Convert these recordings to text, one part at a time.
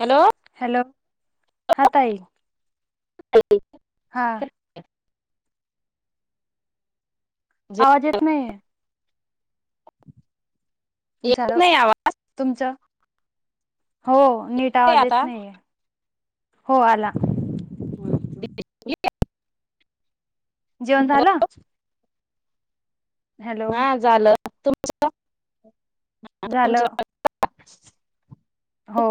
Hello hello हा तााई हा आवाज येत नाहीये येत झालं नाही आवाज तुमचं हो. नीट आवाज आता येत नाहीये. हो आला. [unintelligible] जेवण झालं. हॅलो हा झालं तुम्. [unintelligible] झालं. [inaudible] हो.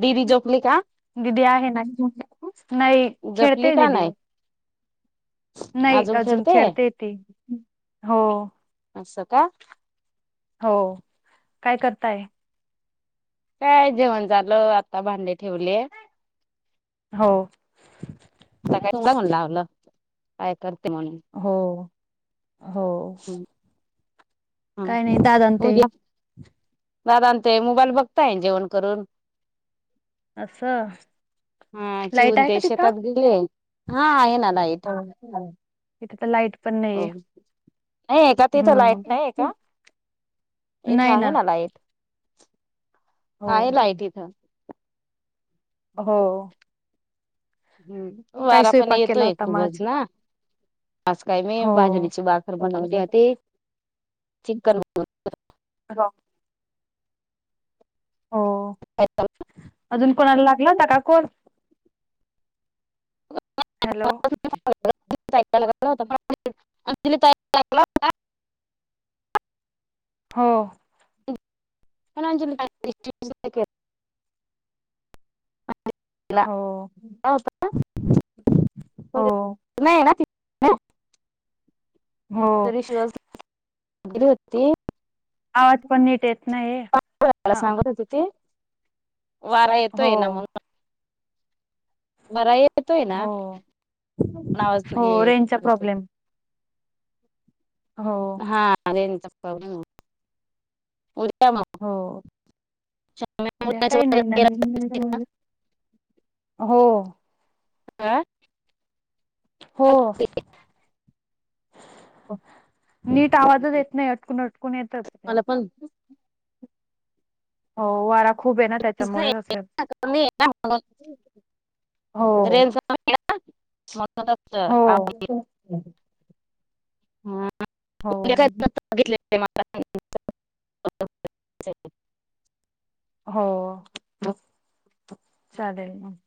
दीदी झोपली का. बक. नाहीई झोपली खेळतेय का दीदी. नाही नाही अजून खेळते य ती हो. अस का. हो काय करताय. काय जेवण झाचाल आता भांडे ठेवले. हो. सका म्हण लावलं काय करत. हो. हो. काही नाही दादा ते. दादात मोबाईल बघताय जेवण करून. असं हा लाईट चिवून आहे का ते तिथं शेतात गेले. हा आहे ना. लाईट हो तिथे तर लाईट पण नाहीये नाही आहे का तिथं लाईट हम्म नाही आहे का इथं आहे ना लाईट. हो आहे लाईट इथं. हो. काय वारा पण स्वयंपाक केला येतोय होता म आज? खूपच ना. आज काय मी बाजेरीची बाखर हो. बनवली होती. चिकन. [unintelligible] हो अजून कोणाला लागलं ना का. कोण. हॅलो [unintelligible] हो. कलांजली हो [unintelligible] [unintelligible] होता. हो म्हणे नाहीय ना ती? [unintelligible] हो. रिशिवस [unintelligible] आवज पण नीट ये कला सांगत होते ती. वारा हो येतोय ना म्हणून. बरा येतोय ना? हो [unintelligible] आवाज हो रेंजचा प्रॉब्लेम हो हा रेंज चा पव ना हो द्या उन्हाचं काही वगैरे नाही गेलं नवीन का? हो. आ? हो. नीट आवाजच येत नाही अटकून अट ण येतात तेव्हा. मला पण हो वारा खूप आहे ना [unintelligible] त्याच्यामुळे असेल कमी हाय ना आवाज? हो रेंज चा प्रॉब्लेम. वा [unintelligible] हो. हा. हो [unintelligible] मला. [unintelligible] हो चालेल.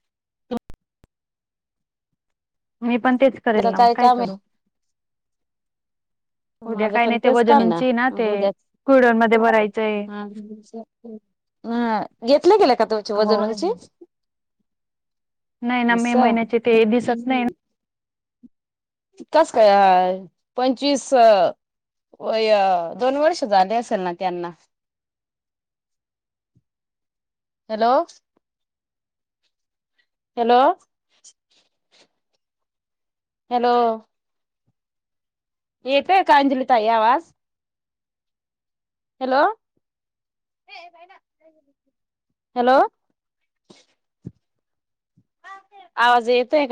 मी पण तेच करेल आता ना मग, काय काम करू? आहे उद्या माझं काय पण नाही ते तेच काय ना. वजनूंची ते क्युडन मध्ये भरायचंय ह घेतलं गेला का तुमची हो वजन उंची? नाही ना मे असं महिन्याचे ते दिसत नाही कस काय, पंचवीस वय दोन वर्ष झाले असेल ना त्यांना? हॅलो हॅलो हॅलो येतोय का अंजलीताई आवाज हॅलो हॅलो आवाज येतोय